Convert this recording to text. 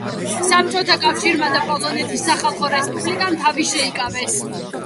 საბჭოთა კავშირმა და პოლონეთის სახალხო რესპუბლიკამ თავი შეიკავეს.